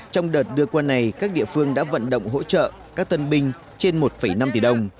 trong đợt đưa quân này các địa phương đã vận động hỗ trợ các tân binh trên một năm tỷ đồng